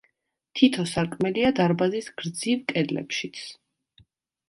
თითო სარკმელია დარბაზის გრძივ კედლებშიც.